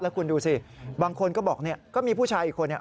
แล้วคุณดูสิบางคนก็บอกก็มีผู้ชายอีกคน